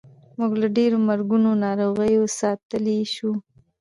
موږ له ډېرو مرګونو ناروغیو ساتلی شو.